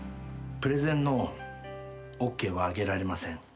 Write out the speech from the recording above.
プレゼンのＯＫはあげられません。